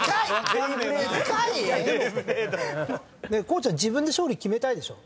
こうちゃん自分で勝利決めたいでしょ？